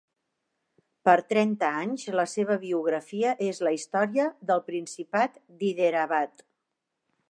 Per trenta anys la seva biografia és la història del principat d'Hyderabad.